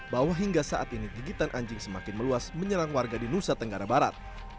bahwa hingga saat ini gigitan anjing semakin meluas menyerang warga di nusa tenggara barat